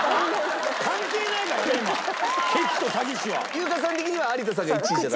優香さん的には有田さんが１位じゃないか？